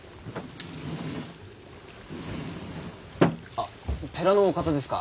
あ寺のお方ですか。